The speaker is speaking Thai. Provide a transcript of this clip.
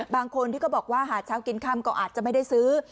บางคนที่ก็บอกว่าหาเช้ากินค่ำก็อาจจะไม่ได้ซื้อ